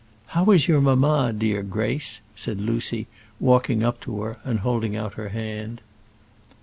"How is your mamma, dear Grace?" said Lucy, walking up to her, and holding out her hand.